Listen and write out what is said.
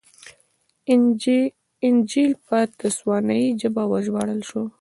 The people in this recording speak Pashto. انجییل په تسوانایي ژبه وژباړل شو.